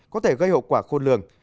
có thể gây hậu quả khôn lường